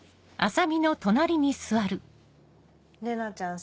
玲奈ちゃんさ。